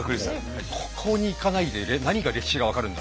ここに行かないで何が歴史が分かるんだ。